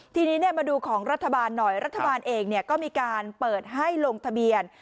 ทีนี้มาดูของรัฐบาลหน่อยรัฐบาลเองก็มีการเปิดให้ลงทะเบียน